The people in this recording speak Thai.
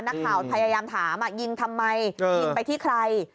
นักข่าวพยายามถามยิงทำไมยิงไปที่ใคร